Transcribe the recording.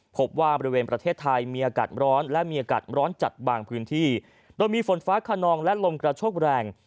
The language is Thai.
พบว่าบริเวณประเทศไทยมีอากาศร้อนและมีอากาศร้อนจัดบางพื้นที่โดยมีฝนฟ้าขนองและลมกระโชกแรง